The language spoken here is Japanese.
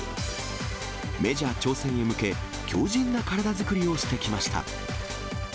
メジャー挑戦に向け、強じんな体作りをしてきました。